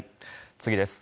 次です。